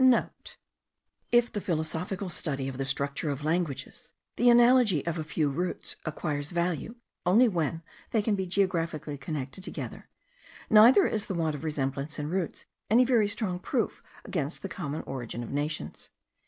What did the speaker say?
NOTE. If, in the philosophical study of the structure of languages, the analogy of a few roots acquires value only when they can be geographically connected together, neither is the want of resemblance in roots any very strong proof against the common origin of nations.